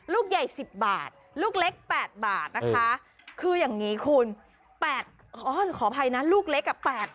ลูกใหญ่ปาลูกเล็ก๘บาทนะคะคือยังงี้คุณ๘ขอบใจนะลูกเล็กกับแปะ